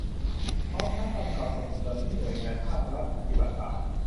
พร้อมทั้งกำกับส่งเสริมให้หน่วยงานภาครัฐปฏิบัติตาม